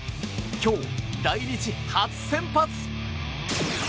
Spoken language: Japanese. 今日、来日初先発！